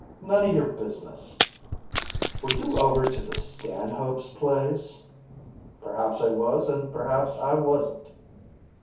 "None of your business." "Were you over to the Stanhopes' place?" "Perhaps I was and perhaps I wasn't."